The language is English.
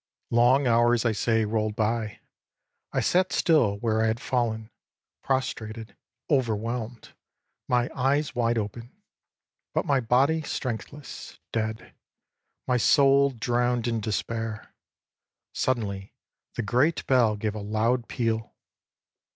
âLong hours, I say, rolled by. I sat still where I had fallen, prostrated, overwhelmed; my eyes wide open, but my body strengthless, dead; my soul drowned in despair. Suddenly the great bell gave a loud peal.